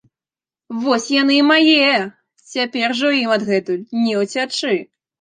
- Вось яны і мае! Цяпер ужо ім адгэтуль не ўцячы!